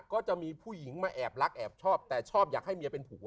ก็จะมีผู้หญิงมาแอบรักแอบชอบแต่ชอบอยากให้เมียเป็นผัว